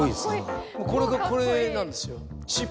これがこれなんですよ。